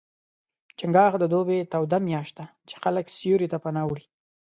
چنګاښ د دوبي توده میاشت ده، چې خلک سیوري ته پناه وړي.